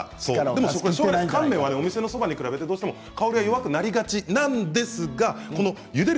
乾麺はお店のそばに比べて香りが弱くなりがちなんですがゆでる